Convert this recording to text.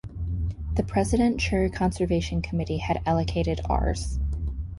The President Chure Conservation Committee had allocated Rs.